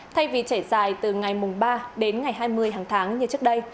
thay vì chảy dài từ ngày mùng ba đến ngày hai mươi hàng tháng như trước đây